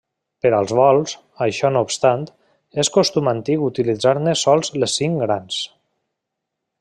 Per als vols, això no obstant, és costum antic utilitzar-ne sols les cinc grans.